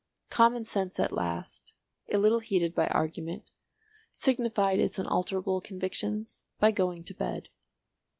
Common sense at last, a little heated by argument, signified its unalterable convictions by going to bed.